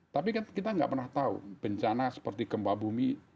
tapi kan kita nggak pernah tahu bencana seperti kembabumi